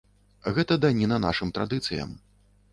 Гэта даніна нашым традыцыям.